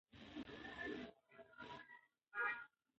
د وخت په تېرېدو انساني خویونه بدلېږي.